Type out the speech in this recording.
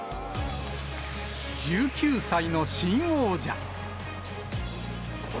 １９歳の新王者。